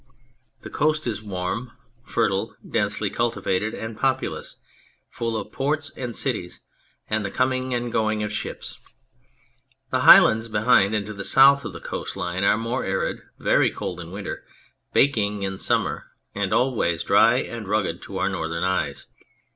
The coast is warm, fertile, densely cultivated and populous ; full of ports and cities and the coming and going of ships. The highlands behind and to the south of the coast line are more arid, very cold in winter, baking in summer, and always dry and rugged to our Northern eyes.